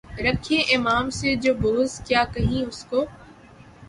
رکھے امام سے جو بغض، کیا کہیں اُس کو؟